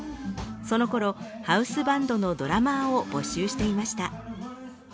そのころハウスバンドのドラマーを募集していました。